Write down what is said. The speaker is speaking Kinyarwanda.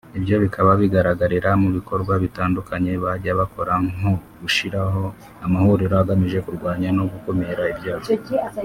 ibyo bikaba bigaragarira mu bikorwa bitandukanye bajya bakora nko gushyiraho amahuriro agamije kurwanya no gukumira ibyaha